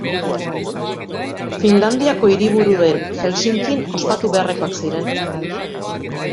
Finlandiako hiriburu den Helsinkin ospatu beharrekoak ziren.